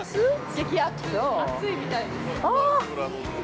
◆激アツ、熱いみたいです。